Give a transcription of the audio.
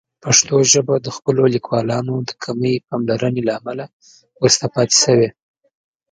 پښتو ژبه د خپلو لیکوالانو د کمې پاملرنې له امله وروسته پاتې شوې.